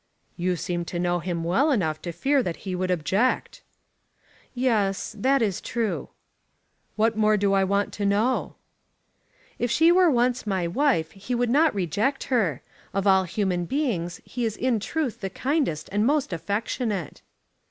"You seem to know him well enough to fear that he would object." "Yes; that is true." "What more do I want to know?" "If she were once my wife he would not reject her. Of all human beings he is in truth the kindest and most affectionate."